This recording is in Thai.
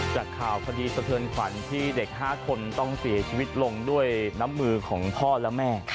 จากข่าวคดีสะเทินขวัญที่เด็ก๕คนต้องเสียชีวิตลงด้วยน้ำมือของพ่อและแม่